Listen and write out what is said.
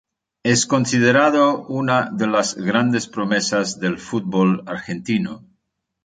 Es considerado una de las grandes promesas del fútbol argentino.